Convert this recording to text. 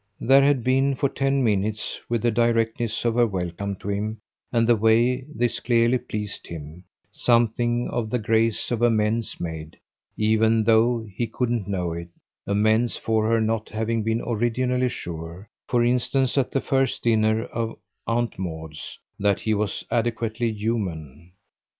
There had been, for ten minutes, with the directness of her welcome to him and the way this clearly pleased him, something of the grace of amends made, even though he couldn't know it amends for her not having been originally sure, for instance at that first dinner of Aunt Maud's, that he was adequately human.